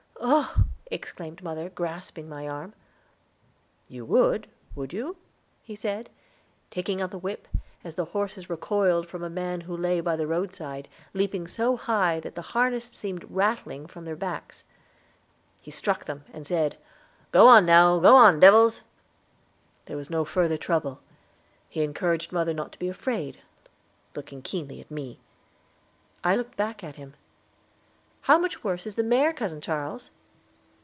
"Oh!" exclaimed mother, grasping my arm. "You would, would you?" he said, taking out the whip, as the horses recoiled from a man who lay by the roadside, leaping so high that the harness seemed rattling from their backs. He struck them, and said, "Go on now, go on, devils." There was no further trouble. He encouraged mother not to be afraid, looking keenly at me. I looked back at him. "How much worse is the mare, cousin Charles?"